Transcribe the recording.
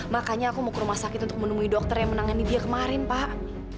makanya aku mau ke rumah sakit untuk menemui dokter yang menangani dia kemarin pak